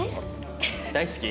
大好き？